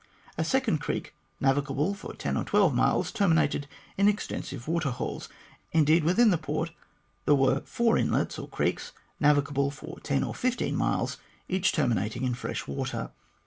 A second creek, navigable for ten or twelve miles, terminated in extensive water holes. Indeed, within the port there were four inlets or creeks, navigable from ten to fifteen miles, each terminating in fresh water.